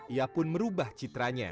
ia pun merubah citranya